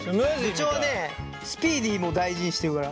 部長ねスピーディーも大事にしてるから。